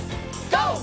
ＧＯ！